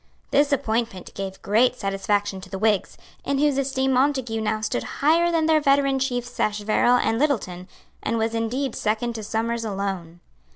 This appointment gave great satisfaction to the Whigs, in whose esteem Montague now stood higher than their veteran chiefs Sacheverell and Littleton, and was indeed second to Somers alone.